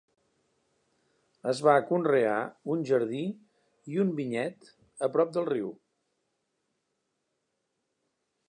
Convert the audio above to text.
Es va conrear un jardí i un vinyet a prop del riu.